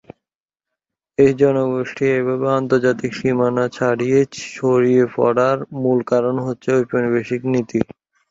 এই জনগোষ্ঠীর এভাবে আন্তর্জাতিক সীমানা ছাড়িয়ে ছড়িয়ে পড়ার মূল কারণ হচ্ছে ব্রিটিশ ঔপনিবেশিক নীতি।